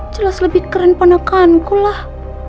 jelas lebih keren penekankulah